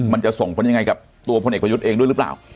มันจะส่งผลยังไงกับตัวพลเอกประยุทธ์เองด้วยหรือเปล่า